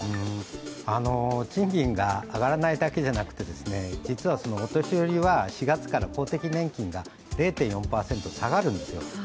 賃金が上がらないだけじゃなくて実はお年寄りは４月から公的年金が０．４％下がるんですよ。